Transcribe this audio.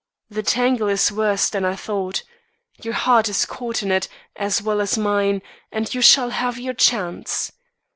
The tangle is worse than I thought; your heart is caught in it, as well as mine, and you shall have your chance.